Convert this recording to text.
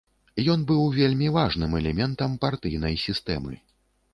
Ён быў вельмі важным элементам партыйнай сістэмы.